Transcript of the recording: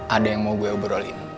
ada yang mau gue obrolin